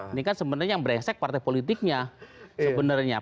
ini kan sebenarnya yang beresek partai politiknya sebenarnya